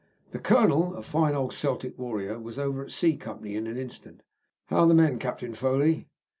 The colonel, a fine old Celtic warrior, was over at C Company in an instant. "How are the men, Captain Foley?"